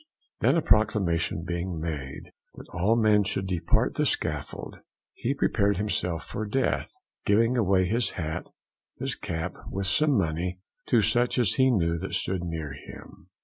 Then a proclamation being made, that all men should depart the scaffold, he prepared himself for death: giving away his hat, his cap, with some money, to such as he knew that stood near him.